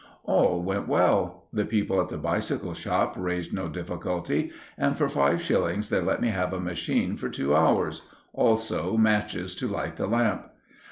All went well. The people at the bicycle shop raised no difficulty, and for five shillings they let me have a machine for two hours—also matches to light the lamp.